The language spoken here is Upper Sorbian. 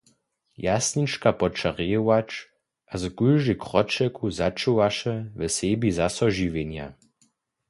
Jasnička poča rejować a z kóždej kročelku začuwaše we sebi zaso žiwjenje.